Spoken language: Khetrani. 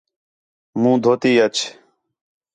مُون٘ھ دُھوتی آچ